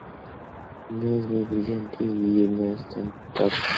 No es muy brillante y es un tanto torpe.